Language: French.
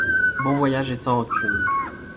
Bon voyage et sans rancune.